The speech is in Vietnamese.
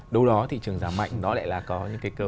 đâu đó thị trường giảm mạnh nó lại là có những cái cơ hội